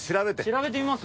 調べてみます？